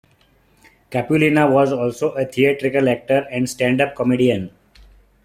Capulina was also a theatrical actor and stand-up comedian.